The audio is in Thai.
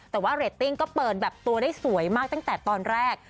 แต่ว่าเรตติ้งก็เปิดแบบตัวได้สวยมากตั้งแต่ตอนแรก